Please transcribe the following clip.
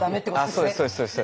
そうですそうです。